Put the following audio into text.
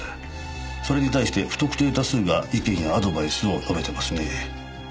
それに対して不特定多数が意見やアドバイスを述べてますね。